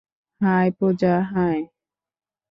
High, Puja, - high.